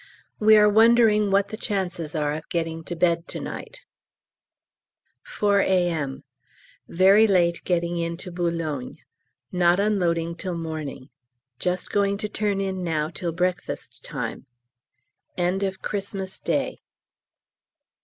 We are wondering what the chances are of getting to bed to night. 4 A.M. Very late getting in to B.; not unloading till morning. Just going to turn in now till breakfast time. End of Xmas Day.